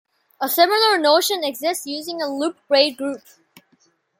A similar notion exists using a loop braid group.